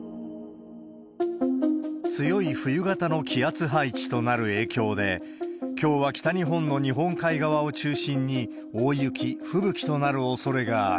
強い冬型の気圧配置となる影響で、きょうは北日本の日本海側を中心に、大雪、吹雪となるおそれがある。